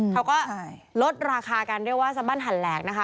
เขาก็ลดราคากันเรียกว่าสบั้นหันแหลกนะคะ